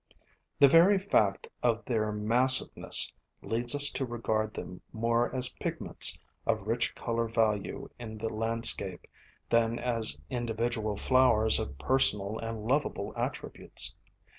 The very fact of their massiveness leads us to regard them more as pigments, of rich color value in the landscape, than as individual flowers of personal and lovable attributes.